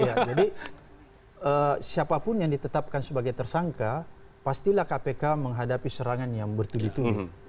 ya jadi siapapun yang ditetapkan sebagai tersangka pastilah kpk menghadapi serangan yang bertubi tubi